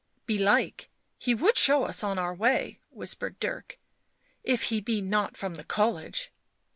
" Belike he would show us on our way," whispered Dirk. " If he be not from the college."